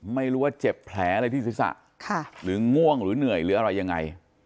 ไม่รู้ว่าเจ็บแผลอะไรที่ศีรษะหรือง่วงหรือเหนื่อยหรืออะไรยังไง